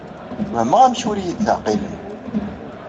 Wehmeɣ amek ur yi-d-teɛqilem.